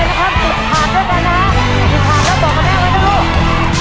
สิทธิ์ถาดแล้วตกมาแม่งไว้นะลูก